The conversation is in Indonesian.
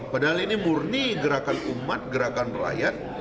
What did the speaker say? padahal ini murni gerakan umat gerakan rakyat